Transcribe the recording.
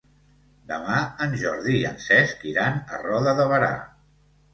Demà en Jordi i en Cesc iran a Roda de Berà.